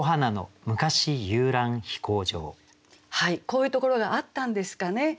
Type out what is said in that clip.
こういうところがあったんですかね。